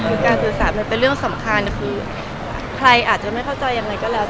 คือการสื่อสารมันเป็นเรื่องสำคัญคือใครอาจจะไม่เข้าใจยังไงก็แล้ว